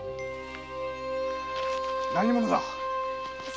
何者だ？